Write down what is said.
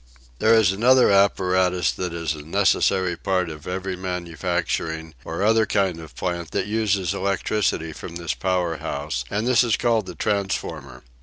There is another apparatus that is a necessary part of every manufacturing or other kind of plant that uses electricity from this power house, and this is called the transformer.